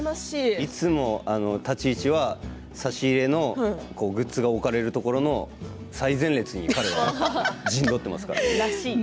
いつも立ち位置は差し入れのグッズが置かれるところの最前列に彼はいますね。